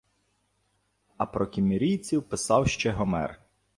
А про кімерійців писав ще Гомер -